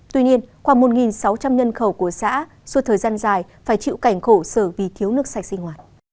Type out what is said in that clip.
tại vì thiếu nước sạch sinh hoạt